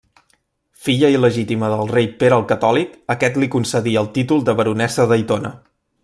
Filla il·legítima del rei Pere el Catòlic, aquest li concedí el títol de baronessa d'Aitona.